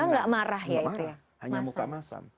nggak marah hanya muka masam